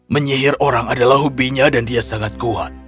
menyihir orang adalah hobinya dan dia sangat kuat